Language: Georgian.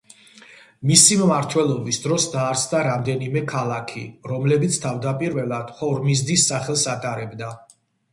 მისი მმართველობის დროს დაარსდა რამდენიმე ქალაქი, რომლებიც თავდაპირველად ჰორმიზდის სახელს ატარებდა.